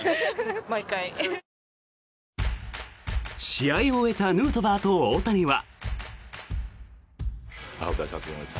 試合を終えたヌートバーと大谷は。